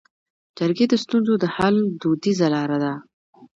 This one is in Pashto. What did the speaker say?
جرګې د ستونزو د حل دودیزه لاره ده